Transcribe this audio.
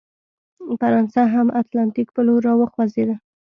فرانسه هم اتلانتیک په لور راوخوځېده.